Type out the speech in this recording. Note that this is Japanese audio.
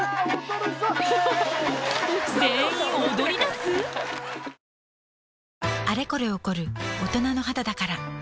全員踊りだす⁉あれこれ起こる大人の肌だから